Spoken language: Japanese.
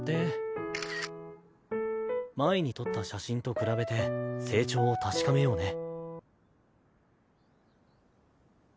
カシャ前に撮った写真と比べて成長を確かめようね。